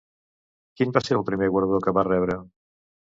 Quin va ser el primer guardó que va rebre?